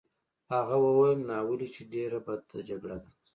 هغه وویل: ناولې! چې ډېره بده جګړه ده.